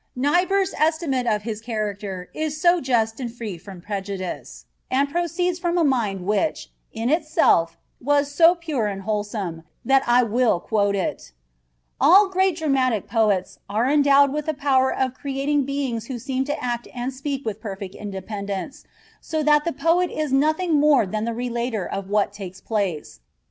Niebuhr's estimate of his character is so just and free from prejudice, and proceeds from a mind which, in itself, was so pure and wholesome, that I will quote it: "All great dramatic poets are endowed with the power of creating beings who seem to act and speak with perfect independence, so that the poet is nothing more than the relator of what takes place.